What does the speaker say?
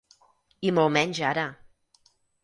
I molt menys ara.